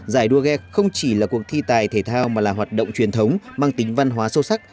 giải đua ghe không chỉ là cuộc thi tài thể thao mà là hoạt động truyền thống mang tính văn hóa sâu sắc